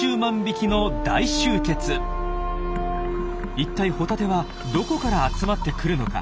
いったいホタテはどこから集まってくるのか？